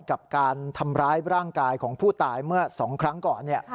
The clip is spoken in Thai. กับการทำร้ายร่างกายของผู้ตายเมื่อ๒ครั้งก่อน